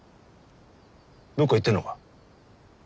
どっか行ってんのか？